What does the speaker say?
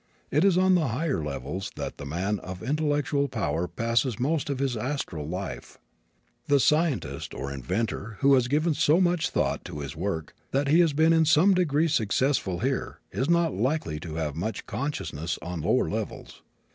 It is on the higher levels that the man of intellectual power passes most of his astral life. The scientist or the inventor who has given so much thought to his work that he has been in some degree successful here is not likely to have much consciousness on lower levels.